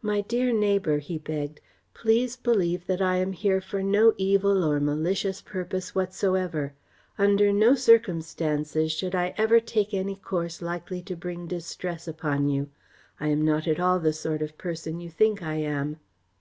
"My dear neighbour," he begged, "please believe that I am here for no evil or malicious purpose whatsoever. Under no circumstances should I ever take any course likely to bring distress upon you. I am not at all the sort of person you think I am."